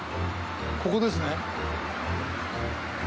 ここですね。